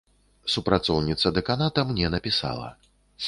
Супрацоўніца дэканата мне напісала.